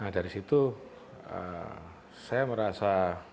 dari situ saya merasa